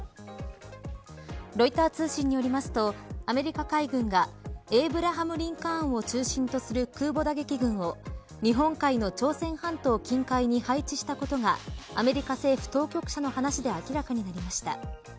ロイター通信によりますとアメリカ海軍がエーブラハム・リンカーンを中心とする空母打撃群を日本海の朝鮮半島近海に配置したことがアメリカ政府当局者の話で明らかになりました。